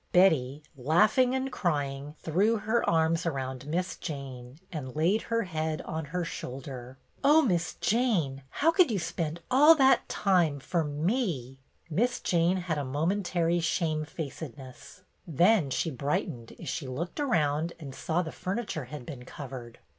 Betty, laughing and crying, threw her arms around Miss Jane and laid her head on her shoulder. " Oh, Miss Jane, how could you spend all that time for me ?" Miss Jane had a mo mentary shamefacedness ; then she bright JANE'S "SEED PICTER " 199 ened as she looked around and saw that the furniture had been covered.